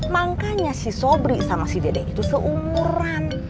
makanya si sobri sama si dedek itu seumuran